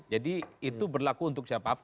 jadi itu berlaku untuk siapa pun